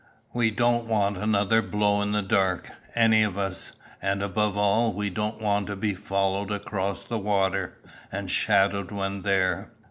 We don't want another 'blow in the dark,' any of us; and, above all, we do not want to be followed across the water, and shadowed when there."